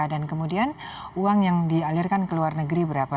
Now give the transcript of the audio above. dan kemudian uang yang dialirkan ke luar negeri berapa